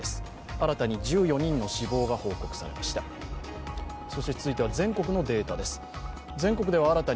新たに１４人の死亡が報告されました。